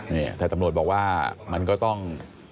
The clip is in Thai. นี่ถ้าตำรวจบอกว่ามันก็ต้อง